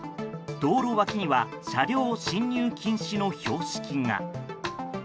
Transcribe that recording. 道路脇には車両進入禁止の標識が。